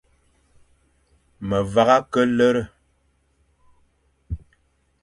Me vagha ke lere.